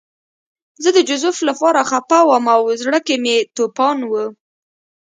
زه د جوزف لپاره خپه وم او زړه کې مې توپان و